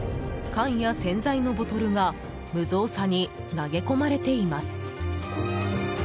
缶や洗剤のボトルが無造作に投げ込まれています。